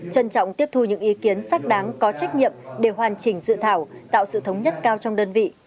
trân trọng tiếp thu những ý kiến xác đáng có trách nhiệm để hoàn chỉnh dự thảo tạo sự thống nhất cao trong đơn vị